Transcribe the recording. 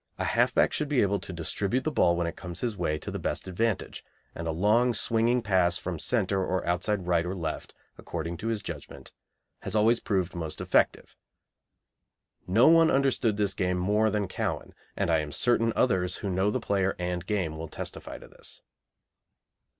A half back should be able to distribute the ball when it comes his way to the best advantage, and a long swinging pass from centre or outside right or left, according to his judgment, has always proved most effective. No one understood this game more than Cowan, and I am certain others who know the player and game will testify to this.